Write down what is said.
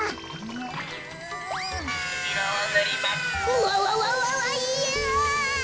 うわわわわいや。